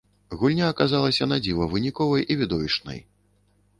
Гульня аказалася надзіва выніковай і відовішчнай.